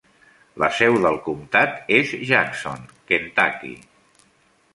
La seu del comtat és Jackson, Kentucky.